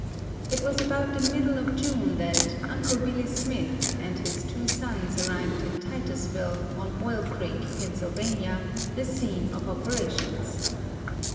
It was about the middle of June that "Uncle Billy Smith" and his two sons arrived in Titusville, on Oil Creek, Pa., the scene of operations.